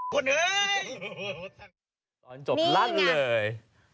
พูดจบลั่นเลย